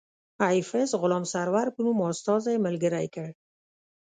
ایفز غلام سرور په نوم استازی ملګری کړ.